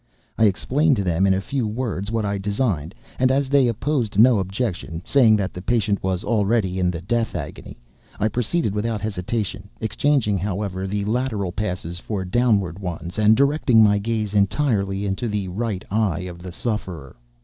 I explained to them, in a few words, what I designed, and as they opposed no objection, saying that the patient was already in the death agony, I proceeded without hesitation—exchanging, however, the lateral passes for downward ones, and directing my gaze entirely into the right eye of the sufferer.